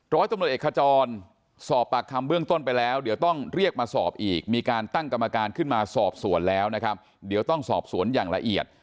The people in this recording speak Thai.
ร้อยตำรวจเอกขจรสอบปากคำเบื้องต้นไปแล้วเดี๋ยวต้องเรียกมาสอบอีกมีการตั้งกรรมการขึ้นมาสอบสวนแล้วนะครับเดี๋ยวต้องสอบสวนอย่างละเอียด